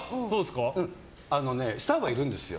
スターはいるんですよ。